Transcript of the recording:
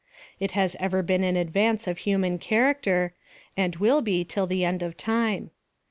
It has ever been in advance of human character, and wiil be till the end of time.